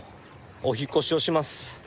お引っ越しをします。